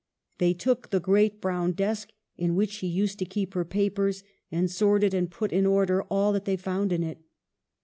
They took the great brown desk in which she used to keep her papers, and sorted and put in order all that they found in it.